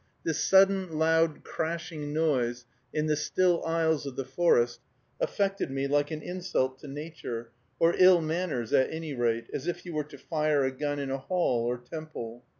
This sudden, loud, crashing noise in the still aisles of the forest, affected me like an insult to nature, or ill manners at any rate, as if you were to fire a gun in a hall or temple.